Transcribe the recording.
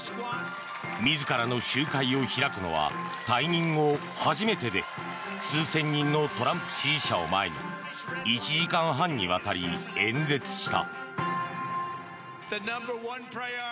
自らの集会を開くのは退任後初めてで数千人のトランプ支持者を前に１時間半にわたり演説した。